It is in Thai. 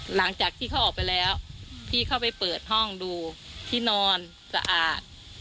หลังจากที่เขาออกไปแล้วพี่เข้าไปเปิดห้องดูที่นอนสะอาด